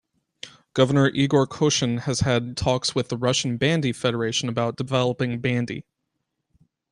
Governor Igor Koshin has had talks with the Russian Bandy Federation about developing bandy.